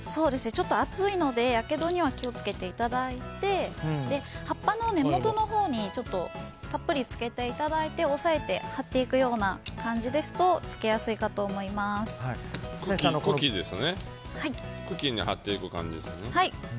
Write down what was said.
熱いのでやけどには気を付けていただいて葉っぱの根元のほうにたっぷりつけていただいて押さえて貼っていくような感じですと茎に貼っていく感じですね。